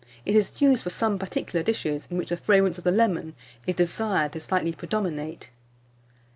It is used for some particular dishes, in which the fragrance of the lemon is desired to slightly predominate.